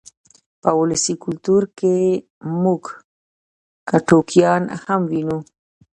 په ولسي کلتور کې موږ ټوکیان هم وینو.